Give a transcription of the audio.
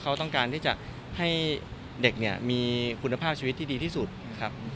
เขาต้องการที่จะให้เด็กเนี่ยมีคุณภาพชีวิตที่ดีที่สุดครับ